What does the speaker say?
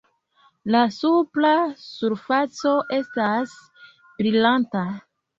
La supra surfaco estas brilanta.